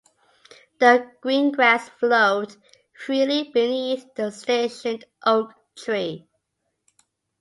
The green grass flowed freely beneath the stationed oak tree.